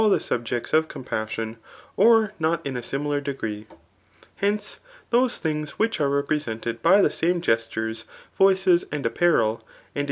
the subjects of compas8iQfa,</Oif itidt ,tcl] ai.sig[iilar degree; hence, those thidgs.which apelreprteemed. by the. same gestures, . voices and. apparel^ arid in.